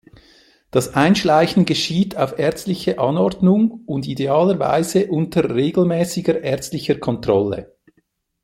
Das Einschleichen geschieht auf ärztliche Anordnung und idealer Weise unter regelmäßiger ärztlicher Kontrolle.